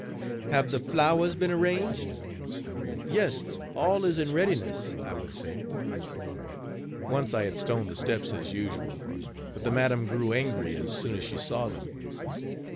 "Have the flowers been arranged?" "Yes, all is in readiness," I would say. Once I had stoned the steps as usual, but the madam grew angry as soon as she saw them.